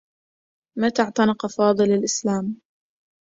متى اعتنق فاضل الإسلام؟